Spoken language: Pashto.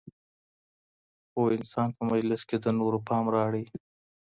پوه انسان په مجلس کي د نورو پام رااړوي.